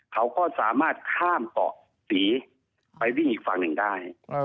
เขาก็สามารถข้ามเกาะศรีไปวิ่งอีกฝั่งหนึ่งได้